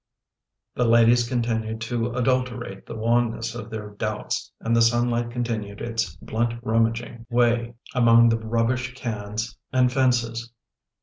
" The ladies continued to adulterate the wanness of their doubts and the sunlight continued its blunt rummaging way among the rubbish cans and fences.